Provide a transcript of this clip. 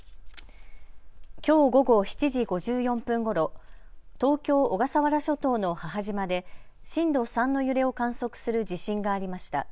きょう午後７時５４分ごろ東京小笠原諸島の母島で震度３の揺れを観測する地震がありました。